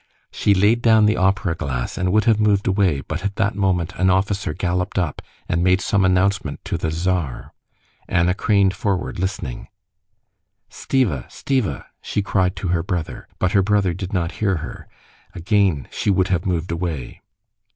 She laid down the opera glass, and would have moved away, but at that moment an officer galloped up and made some announcement to the Tsar. Anna craned forward, listening. "Stiva! Stiva!" she cried to her brother. But her brother did not hear her. Again she would have moved away.